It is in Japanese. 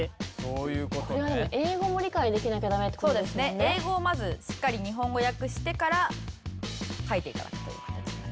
英語をまずしっかり日本語訳してから描いて頂くという形になります。